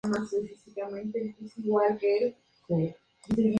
Respecto a la vegetación